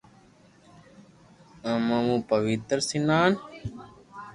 اومون پوتير سنان -